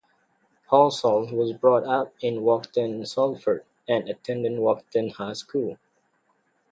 Halsall was brought up in Walkden, Salford and attended Walkden High School.